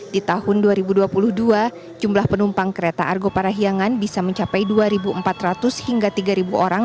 di tahun dua ribu dua puluh dua jumlah penumpang kereta argo parahiangan bisa mencapai dua empat ratus hingga tiga orang